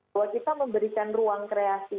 bahwa kita memberikan ruang kreasi